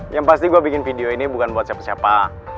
yang pasti gue bikin video ini bukan buat siapa siapa